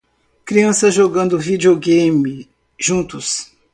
Crianças jogando videogame juntos.